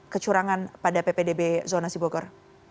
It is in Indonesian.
kecurangan pada ppdb zona sibokor